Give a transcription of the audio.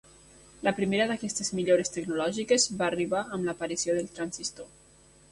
La primera d'aquestes millores tecnològiques va arribar amb l'aparició del transistor.